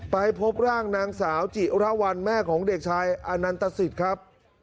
ไปพบร่างนางสาวจิระวัลแม่ของเด็กชายอนันตสิทธิ์ครับ